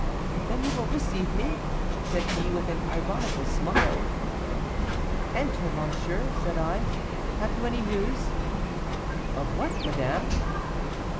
'Then you will receive me?' said he, with an ironical smile. 'Enter, monsieur,' said I, 'have you any news?' 'Of what, madame?